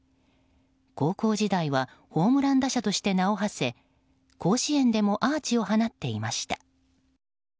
高校時代はホームラン打者として名を馳せ甲子園でもアーチを放っていました。